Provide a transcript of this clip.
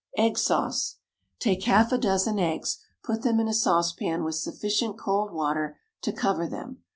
EGG SAUCE. Take half a dozen eggs, put them in a saucepan with sufficient cold water to cover them.